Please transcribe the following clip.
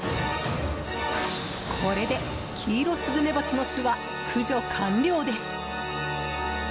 これでキイロスズメバチの巣は駆除完了です。